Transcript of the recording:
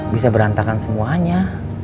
bisa berantakan semuanya